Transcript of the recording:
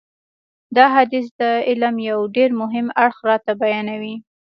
دا حدیث د علم یو ډېر مهم اړخ راته بیانوي.